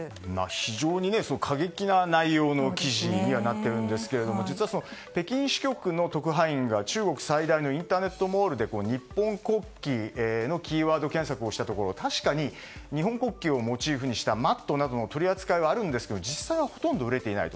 非常に過激な内容の記事になってるんですが実は、北京支局の特派員が中国最大のインターネットモールで日本国旗のキーワード検索をしたところ確かに日本国旗をモチーフにしたマットなどの取り扱いはあるんですが実際はほとんど売れていない。